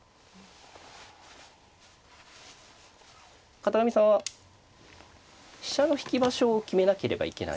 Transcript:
片上さんは飛車の引き場所を決めなければいけない。